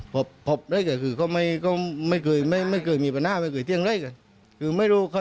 ภพเลยเคยเป็นแห่งน่ามีประณาอย่าง